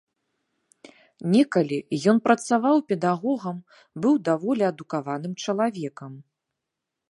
Некалі ён працаваў педагогам, быў даволі адукаваным чалавекам.